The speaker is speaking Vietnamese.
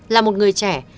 là một người trẻ